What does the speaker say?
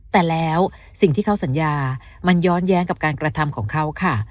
แต่แล้วสิ่งที่เขาสัญญามันย้อนแย้งกับการกระทำของเขาค่ะ